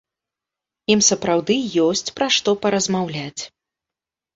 Ім сапраўды ёсць пра што паразмаўляць.